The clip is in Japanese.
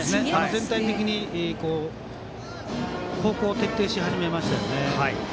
全体的に方向を徹底し始めましたね。